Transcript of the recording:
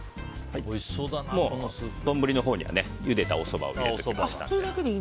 丼のほうには、ゆでたおそばを入れておきました。